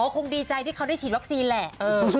คงดีใจที่เขาได้ฉีดวัคซีนแหละ